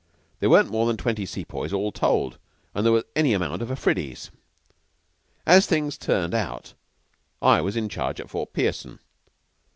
There weren't more than twenty Sepoys all told, and there were any amount of Afridis. As things turned out, I was in charge at Fort Pearson.